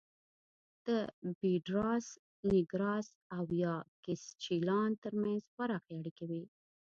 د پېډراس نېګراس او یاکسچیلان ترمنځ پراخې اړیکې وې